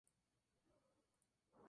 La edición de su obra fue póstuma.